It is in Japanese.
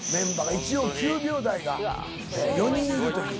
一応９秒台が４人いるという。